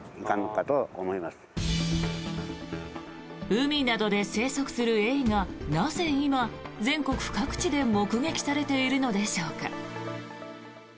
海などで生息するエイがなぜ今全国各地で目撃されているのでしょうか。